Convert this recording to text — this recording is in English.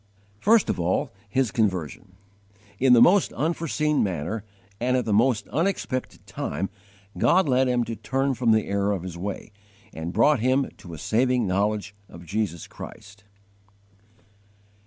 1. First of all, his conversion. In the most unforeseen manner and at the most unexpected time God led him to turn from the error of his way, and brought him to a saving knowledge of Jesus Christ.